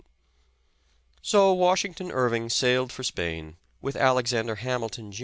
So Washington Irving sailed for Spain with Alex ander Hamilton, Jr.